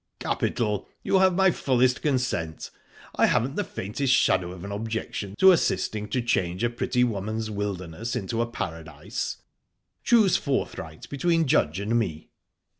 "Capital! You have my fullest consent. I haven't the faintest shadow of an objection to assisting to change a pretty woman's wilderness into a paradise. Choose forthright between Judge and me."